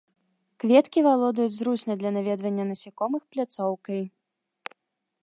Кветкі валодаюць зручнай для наведвання насякомых пляцоўкай.